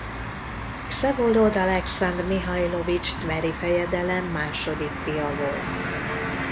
Vszevolod Alekszandr Mihajlovics tveri fejedelem második fia volt.